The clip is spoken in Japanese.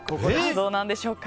どうなんでしょうか。